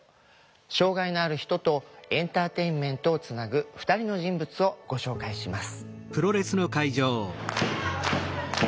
障害のある人とエンターテインメントをつなぐ２人の人物をご紹介します。